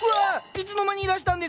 いつの間にいらしたんですか？